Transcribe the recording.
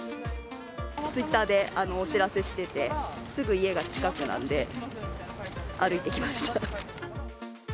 ツイッターでお知らせしてて、すぐ家が近くなんで、歩いてきました。